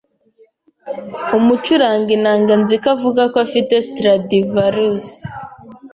Umucuranga inanga Nzi ko avuga ko afite Stradivarius.